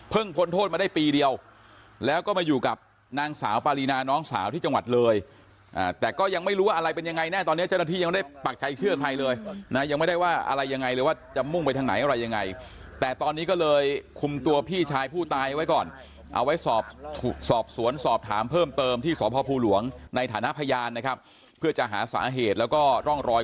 พ้นโทษมาได้ปีเดียวแล้วก็มาอยู่กับนางสาวปารีนาน้องสาวที่จังหวัดเลยแต่ก็ยังไม่รู้ว่าอะไรเป็นยังไงแน่ตอนนี้เจ้าหน้าที่ยังได้ปักใจเชื่อใครเลยนะยังไม่ได้ว่าอะไรยังไงเลยว่าจะมุ่งไปทางไหนอะไรยังไงแต่ตอนนี้ก็เลยคุมตัวพี่ชายผู้ตายไว้ก่อนเอาไว้สอบสอบสวนสอบถามเพิ่มเติมที่สพภูหลวงในฐานะพยานนะครับเพื่อจะหาสาเหตุแล้วก็ร่องรอย